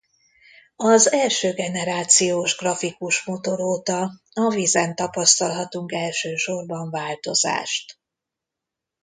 Az első generációs grafikus motor óta a vízen tapasztalhatunk elsősorban változást.